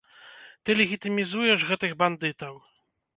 Ты легітымізуеш гэтых бандытаў!